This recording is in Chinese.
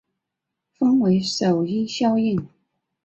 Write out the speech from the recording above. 分为首因效应。